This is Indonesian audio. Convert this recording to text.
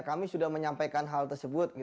kami sudah menyampaikan hal tersebut